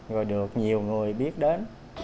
rồi được nhiều người biết đến